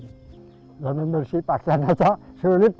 kalau bersih paksa sulit